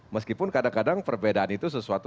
meskipun kadang kadang perbedaan itu sesuatu